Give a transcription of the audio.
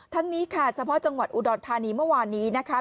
นี้ค่ะเฉพาะจังหวัดอุดรธานีเมื่อวานนี้นะคะ